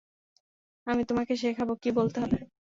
আমি তোমাকে শেখাব, কী বলতে হবে।